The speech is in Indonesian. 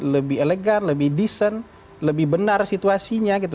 lebih elegan lebih decent lebih benar situasinya gitu